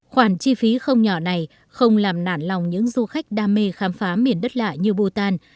khoản chi phí không nhỏ này không làm nản lòng những du khách đam mê khám phá miền đất lạ như bhutan